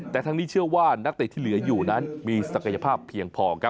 แต่ทั้งนี้เชื่อว่านักเตะที่เหลืออยู่นั้นมีศักยภาพเพียงพอครับ